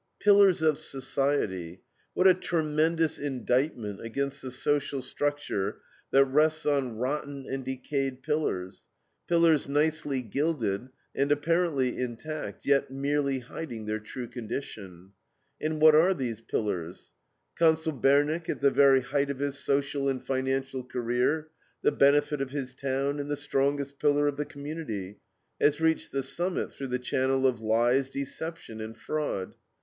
Pillars of Society! What a tremendous indictment against the social structure that rests on rotten and decayed pillars, pillars nicely gilded and apparently intact, yet merely hiding their true condition. And what are these pillars? Consul Bernick, at the very height of his social and financial career, the benefactor of his town and the strongest pillar of the community, has reached the summit through the channel of lies, deception, and fraud.